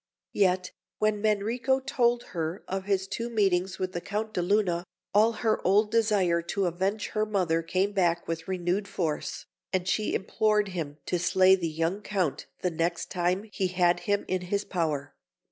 Yet when Manrico told her of his two meetings with the Count de Luna, all her old desire to avenge her mother came back with renewed force, and she implored him to slay the young Count the next time he had him in his power.